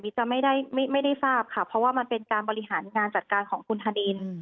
จะไม่ได้ทราบค่ะเพราะว่ามันเป็นการบริหารงานจัดการของคุณธนิน